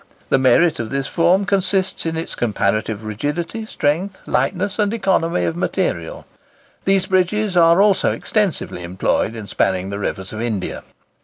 The merit of this form consists in its comparative rigidity, strength, lightness, and economy of material These bridges are also extensively employed in spanning the rivers of India.